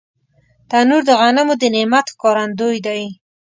تنور د غنمو د نعمت ښکارندوی دی